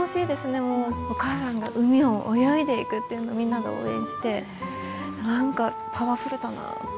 もうお母さんが海を泳いでいくっていうのをみんなで応援して何かパワフルだなって。